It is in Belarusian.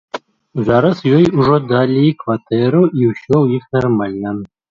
Зараз ёй ужо далі кватэру і ўсё ў іх нармальна.